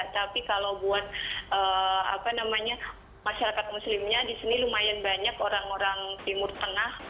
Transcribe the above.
tapi kalau buat masyarakat muslimnya di sini lumayan banyak orang orang timur tengah